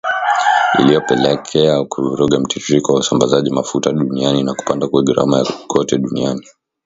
Iiyopelekea kuvuruga mtiririko wa usambazaji mafuta duniani na kupanda kwa gharama kote duniani